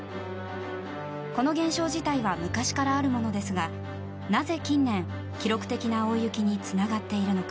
この現象自体は昔からあるものですがなぜ近年、記録的な大雪につながっているのか